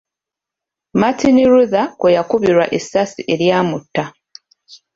Martin Luther kwe yakubirwa essasi eryamutta.